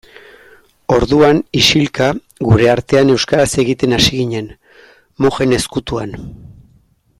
Orduan, isilka, gure artean euskaraz egiten hasi ginen, mojen ezkutuan.